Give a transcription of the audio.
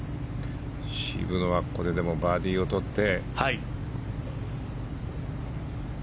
渋野はここでバーディーを取って。